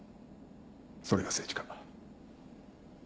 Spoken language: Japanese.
それが政治家。